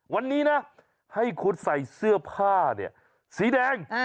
วันนี้นะให้คุณใส่เสื้อผ้าเนี่ยสีแดง